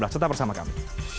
serta bersama kami